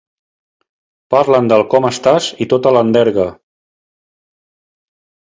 Parlen del com estàs i tota l'enderga.